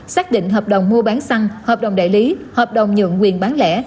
xác định hợp đồng mua bán xăng hợp đồng đại lý hợp đồng nhượng quyền bán lẻ